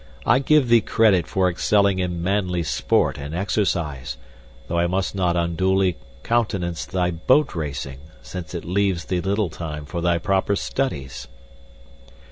I give thee credit for excelling in manly sport and exercise, though I must not unduly countenance thy boat racing, since it leaves thee little time for thy proper studies.